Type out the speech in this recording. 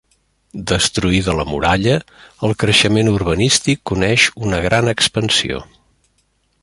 Destruïda la muralla, el creixement urbanístic coneix una gran expansió.